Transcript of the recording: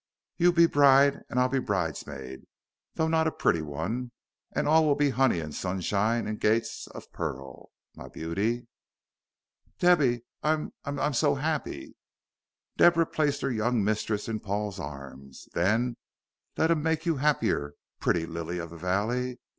You'll be bride and I'll be bridesmaid, though not a pretty one, and all will be 'oney and sunshine and gates of pearl, my beauty." "Debby I'm I'm so happy!" Deborah placed her young mistress in Paul's arms. "Then let 'im make you 'appier, pretty lily of the valley.